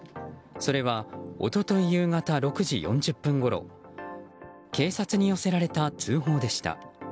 それは一昨日夕方６時４０分ごろ警察に寄せられた通報でした。